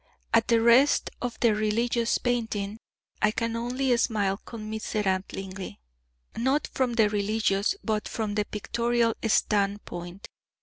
At the rest of their religious painting I can only smile commiseratingly not from the religious but from the pictorial standpoint.